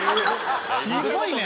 すごいね！